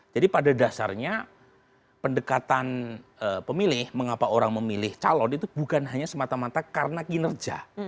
jadi pada dasarnya pendekatan pemilih mengapa orang memilih calon itu bukan hanya semata mata karena kinerja